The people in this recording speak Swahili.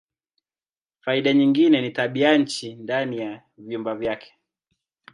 Faida nyingine ni tabianchi ndani ya vyumba vyake.